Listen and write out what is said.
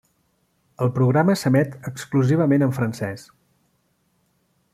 El programa s'emet exclusivament en francès.